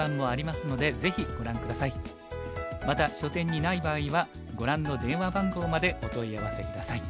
また書店にない場合はご覧の電話番号までお問い合わせ下さい。